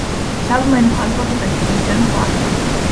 Ich habe meine Verantwortung als Präsident wahrgenommen.